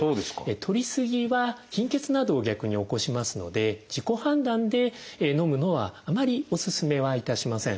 とりすぎは貧血などを逆に起こしますので自己判断でのむのはあまりおすすめはいたしません。